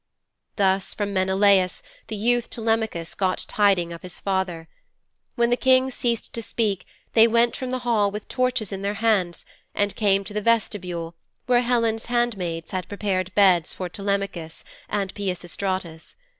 Thus from Menelaus the youth Telemachus got tiding of his father. When the King ceased to speak they went from the hall with torches in their hands and came to the vestibule where Helen's handmaids had prepared beds for Telemachus and Peisistratus.